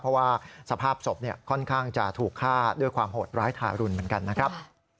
เพราะว่าสภาพศพค่อนข้างจะถูกฆ่าด้วยความโหดร้ายทารุณเหมือนกันนะครับ